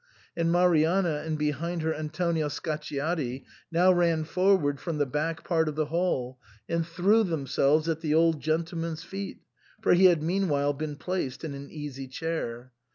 And Marianna, and behind her Antonio Scacciati, now ran forward from the back part of the hall and threw themselves at the old gentleman's feet, — for he had meanwhile been placed in an easy chair.